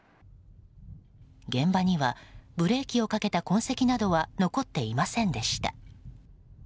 現場にはブレーキをかけた痕跡などは残っていませんでした。